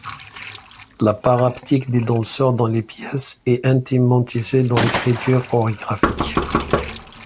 La part haptique des danseurs dans les pièces est intimement tissée dans l'écriture chorégraphique.